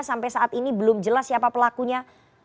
sampai saat ini belum jelas siapa pelakunya